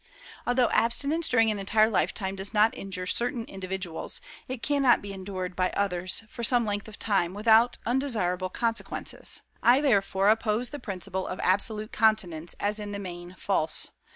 Although abstinence during an entire lifetime does not injure certain individuals, it cannot be endured by others for some length of time without undesirable consequences. I therefore oppose the principle of absolute continence as in the main false.